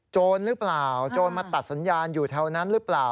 หรือเปล่าโจรมาตัดสัญญาณอยู่แถวนั้นหรือเปล่า